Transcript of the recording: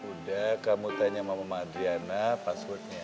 udah kamu tanya mama adriana passwordnya